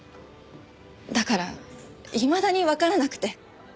だからいまだにわからなくて。